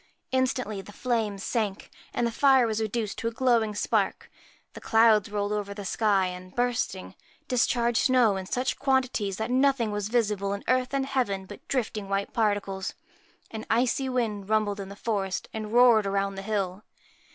Instantly the flames sank, and the fire was reduced to a glowing spark. The clouds rolled over the sky, and, bursting, discharged snow in such quantities that nothing was visible in earth and heaven but drifting white particles. An icy wind rumbled in the forest and roared round the hill.